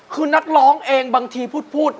คือนักร้องเองบางทีพูด